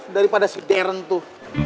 daripada si darren tuh